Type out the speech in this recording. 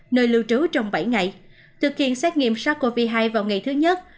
nơi lưu trú trong bảy ngày thực hiện xét nghiệm sars cov hai vào ngày thứ nhất